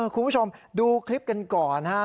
คุณผู้ชมดูคลิปกันก่อนนะครับ